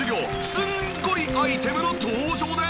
すんごいアイテムの登場です！